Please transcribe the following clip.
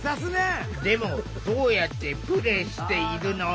でもどうやってプレイしているの？